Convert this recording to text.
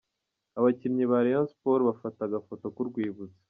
Abaakinnyi ba Rayon Sports bafata agafoto k'urwibutso.